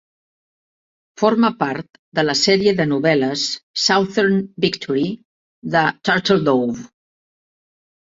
Forma part de la sèrie de novel·les "Southern Victory" de Turtledove.